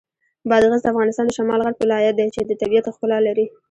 بادغیس د افغانستان د شمال غرب ولایت دی چې د طبیعت ښکلا لري.